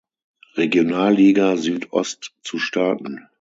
Regionalliga Süd-Ost zu starten.